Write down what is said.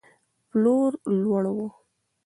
پلور لوړ و.